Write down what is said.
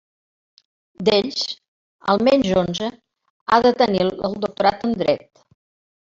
D'ells, almenys onze ha de tenir el doctorat en dret.